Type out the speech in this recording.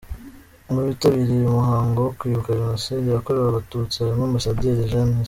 Mu bitabiriye uyu muhango wo kwibuka jenoside yakorewe Abatutsi, harimo Ambasaderi Eugene S.